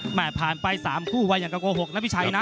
ผ่านไป๓คู่ว่าอย่างกับโกหกนะพี่ชัยนะ